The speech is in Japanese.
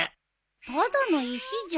ただの石じゃん。